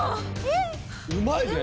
うまいね！